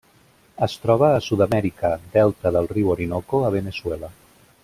Es troba a Sud-amèrica: delta del riu Orinoco a Veneçuela.